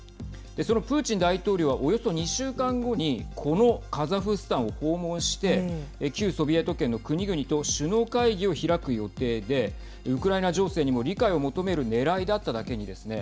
そのプーチン大統領はおよそ２週間後にこのカザフスタンを訪問して旧ソビエト圏の国々と首脳会議を開く予定でウクライナ情勢にも理解を求めるねらいだっただけにですね